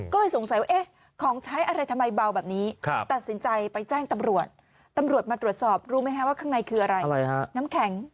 ก็เลยสงสัยว่าเอ๊ะของใช้อะไรทำไมเบาแบบนี้ตัดสินใจไปแจ้งตำรวจตำรวจมาตรวจสอบรู้ไหมคะว่าข้างในคืออะไรฮะน้ำแข็ง